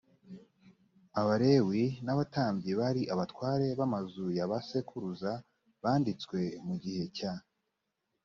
abalewi n abatambyi bari abatware b amazu ya ba sekuruza banditswe mu gihe cya